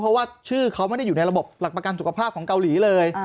เพราะว่าชื่อเขาไม่ได้อยู่ในระบบหลักประกันสุขภาพของเกาหลีเลย